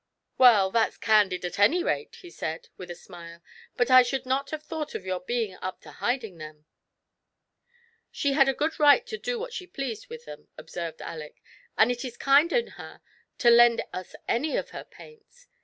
"Well, that's candid, at any rate," he said, with a smile ;" but I should not have thought of your being up to hiding them." " She had a good right to do what she pleased with them," observed Aleck ;*' and it is kind in her to lend us any of her paints.